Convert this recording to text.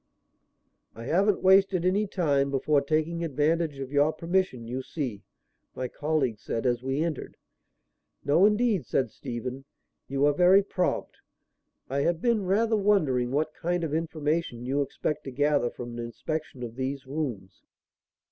"I haven't wasted any time before taking advantage of your permission, you see," my colleague said as we entered. "No, indeed," said Stephen; "you are very prompt. I have been rather wondering what kind of information you expect to gather from an inspection of these rooms."